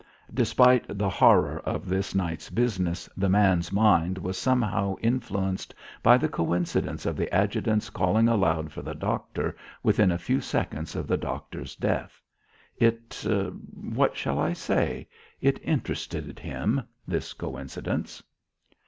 Despite the horror of this night's business, the man's mind was somehow influenced by the coincidence of the adjutant's calling aloud for the doctor within a few seconds of the doctor's death. It what shall I say? It interested him, this coincidence.